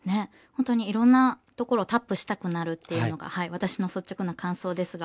本当にいろんな所をタップしたくなるっていうのがはい私の率直な感想ですが。